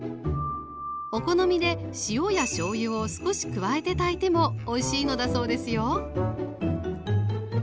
お好みで塩やしょうゆを少し加えて炊いてもおいしいのだそうですよ